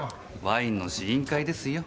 ワインの試飲会ですよ。